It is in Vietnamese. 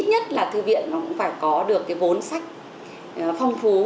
nhất là thư viện nó cũng phải có được cái vốn sách phong phú